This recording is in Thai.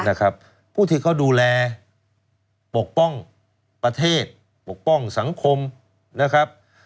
นะครับผู้ที่เขาดูแลปกป้องประเทศปกป้องสังคมนะครับ